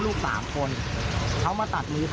มันก็เลยกลายเป็นว่าเหมือนกับยกพวกมาตีกัน